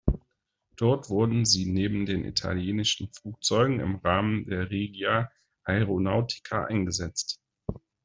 Dort wurden sie neben den italienischen Flugzeugen im Rahmen der Regia Aeronautica eingesetzt.